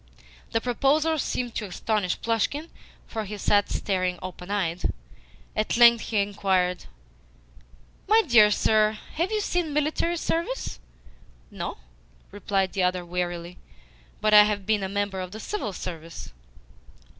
The proposal seemed to astonish Plushkin, for he sat staring open eyed. At length he inquired: "My dear sir, have you seen military service?" "No," replied the other warily, "but I have been a member of the CIVIL Service."